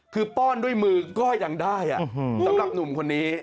คือป้อนด้วยมือก็ยังได้สำหรับหนุ่มคนนี้